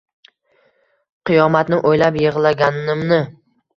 Qiyomatni o’ylab yig’laganimni.